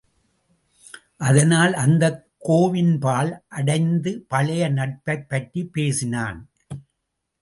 அதனால் அந்தக் கோவின்பால் அடைந்து பழைய நட்பைப்பற்றிப் பேசினான்.